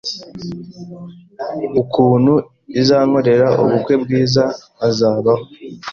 ukuntu izankorera ubukwe bwiza nkazabaho